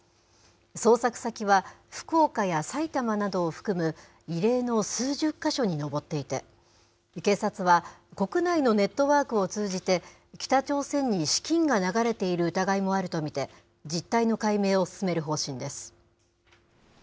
捜索先は、福岡や埼玉などを含む、異例の数十か所に上っていて、警察は、国内のネットワークを通じて、北朝鮮に資金が流れている疑いもあると見て、実態の解明を進める方針です。